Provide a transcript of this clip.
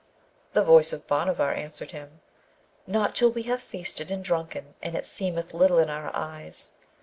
The voice of Bhanavar answered him, 'Not till we have feasted and drunken, and it seemeth little in our eyes.